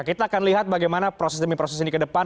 kita akan lihat bagaimana proses demi proses ini ke depan